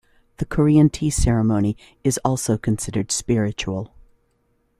The Korean tea ceremony is also considered spiritual.